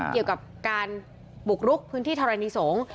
เกี่ยวกับการบุกรุกพื้นที่ธรณีสงฆ์